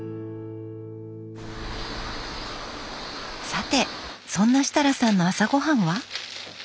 さてそんな設楽さんの朝ごはんは？